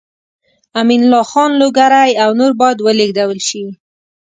امین الله خان لوګری او نور باید ولېږدول شي.